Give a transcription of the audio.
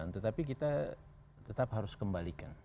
tetapi kita tetap harus kembalikan